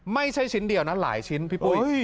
ไม่ใช่ชิ้นเดียวนะหลายชิ้นพี่ปุ้ย